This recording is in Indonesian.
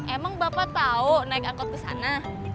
emang bapak tau naik angkot kesana